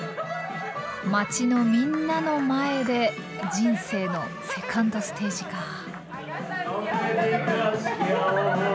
街のみんなの前で人生のセカンドステージか。